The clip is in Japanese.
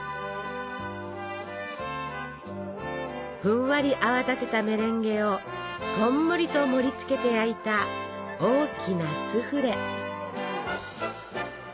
ふんわり泡立てたメレンゲをこんもりと盛りつけて焼いた大きなスフレ！